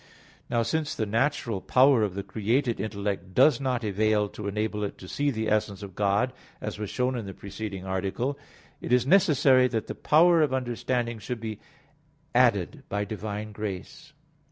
Now since the natural power of the created intellect does not avail to enable it to see the essence of God, as was shown in the preceding article, it is necessary that the power of understanding should be added by divine grace.